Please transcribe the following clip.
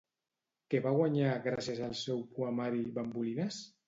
Què va guanyar gràcies al seu poemari Bambolines?